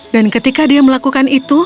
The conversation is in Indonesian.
dan ketika dia melakukan itu